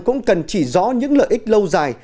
cũng cần chỉ rõ những lợi ích lâu dài